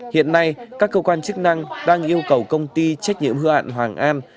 hiện nay các cơ quan chức năng đang yêu cầu công ty trách nhiệm hư hạn hoàng an